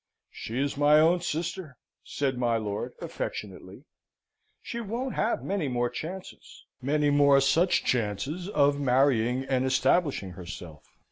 "She is my own sister," said my lord, affectionately; "she won't have many more chances many more such chances of marrying and establishing herself.